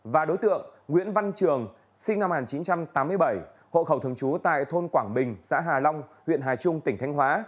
và đối tượng nguyễn văn trường sinh năm một nghìn chín trăm tám mươi bảy hộ khẩu thường trú tại thôn quảng bình xã hà long huyện hà trung tỉnh thanh hóa